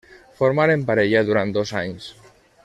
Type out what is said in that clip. Formaren parella durant dos anys.